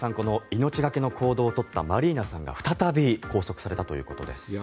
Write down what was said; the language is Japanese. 命懸けの行動を取ったマリーナさんが再び拘束されたということです。